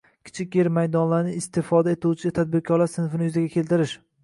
kichik yer maydonlarini istifoda etuvchi tadbirkorlar sinfini yuzaga keltirish